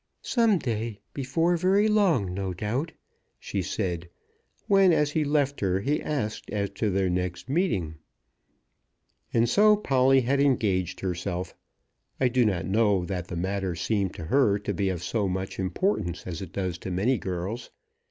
"Some day before very long, no doubt," she said when, as he left her, he asked as to their next meeting. And so Polly had engaged herself. I do not know that the matter seemed to her to be of so much importance as it does to many girls.